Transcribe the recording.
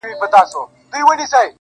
مخ به در واړوم خو نه پوهېږم~